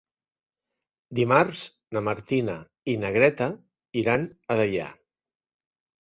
Dimarts na Martina i na Greta iran a Deià.